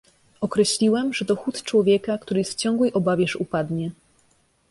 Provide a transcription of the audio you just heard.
"Określiłem, że to chód człowieka, który jest w ciągłej obawie, że upadnie."